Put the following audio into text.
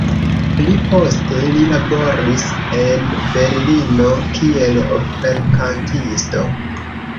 Pli poste li laboris en Berlino kiel operkantisto.